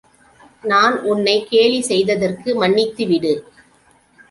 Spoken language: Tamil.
நான் உன்னைக் கேலி செய்ததற்கு மன்னித்து விடு.